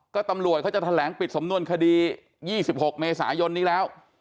ก็ตำรวจเขาจะแถลงปิดสำนวนคดี๒๖เมษายนนี้แล้ว